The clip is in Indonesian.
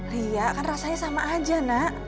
ria kan rasanya sama aja nak